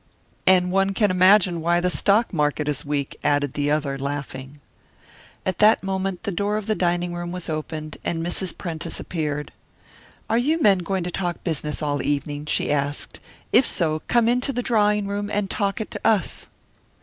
"And one can imagine why the stock market is weak!" added the other, laughing. At that moment the door of the dining room was opened, and Mrs. Prentice appeared. "Are you men going to talk business all evening?" she asked. "If so, come into the drawing room, and talk it to us."